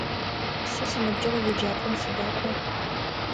Сэ синыбджэгъу еджапӏэм сыдэкӏо.